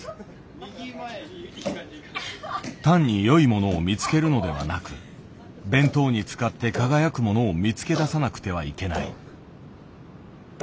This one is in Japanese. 単によいものを見つけるのではなく弁当に使って輝くものを見つけ出さなくてはいけない。